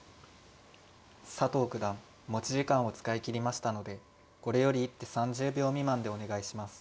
佐藤九段持ち時間を使い切りましたのでこれより一手３０秒未満でお願いします。